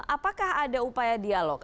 apakah ada upaya dialog